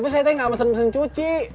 itu saya tadi enggak mesen mesin cuci